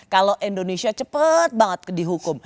kalau indonesia cepet banget dihukum